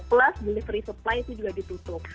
plus delivery supply itu juga ditutup